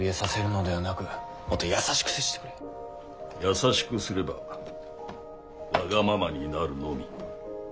優しくすればわがままになるのみ。